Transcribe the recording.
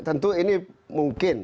tentu ini mungkin